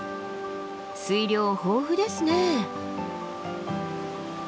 水量豊富ですね。